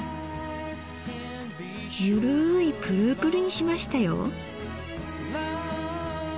ゆるいプルプルにしましたよ。